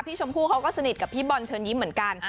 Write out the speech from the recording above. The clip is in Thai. ชมพู่เขาก็สนิทกับพี่บอลเชิญยิ้มเหมือนกัน